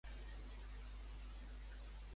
De què es tracta la Bèstia de Bray Road?